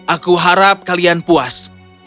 aku harap kalian puas